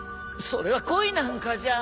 それは恋なんかじゃ。